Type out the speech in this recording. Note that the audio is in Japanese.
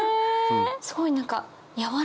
すごい何か。